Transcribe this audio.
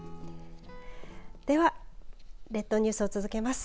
では、列島ニュースを続けます。